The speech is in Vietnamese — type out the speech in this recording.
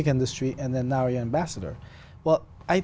con trai của tôi